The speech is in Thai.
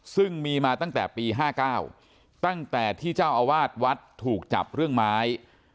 ซึ่งมีมาตั้งแต่ปี๕๙ตั้งแต่ที่เจ้าอาวาสวัดถูกจับเรื่องไม้